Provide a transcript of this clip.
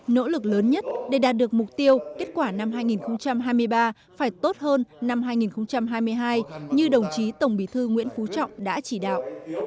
nỗ lực lớn nhất để đạt được mục tiêu kết quả năm hai nghìn hai mươi ba phải tốt hơn năm hai nghìn hai mươi hai như đồng chí tổng bí thư nguyễn phú trọng đã chỉ đạo